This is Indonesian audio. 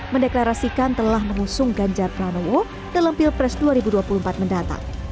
mendeklarasikan telah mengusung ganjar pranowo dalam pilpres dua ribu dua puluh empat mendatang